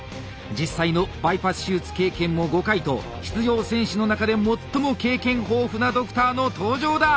実際のバイパス手術経験も５回と出場選手の中で最も経験豊富なドクターの登場だ！